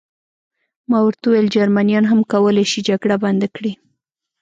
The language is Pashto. ما ورته وویل: جرمنیان هم کولای شي جګړه بنده کړي.